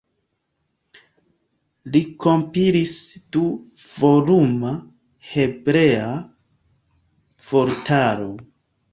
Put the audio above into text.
Li kompilis du-voluma hebrea vortaro.